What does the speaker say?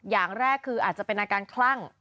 อย่างแรกคืออาจจะเป็นอาการคลั่ง